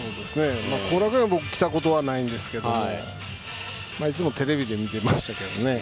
後楽園は僕来たことはないんですがいつもテレビで見ていましたね。